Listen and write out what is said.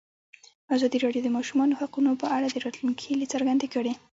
ازادي راډیو د د ماشومانو حقونه په اړه د راتلونکي هیلې څرګندې کړې.